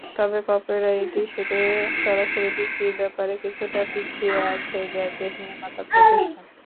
তবে কপিরাইট ইস্যুতে সরাসরি বিক্রির ব্যাপারে কিছুটা পিছিয়ে আছে গ্যাজেট নির্মাতা প্রতিষ্ঠান।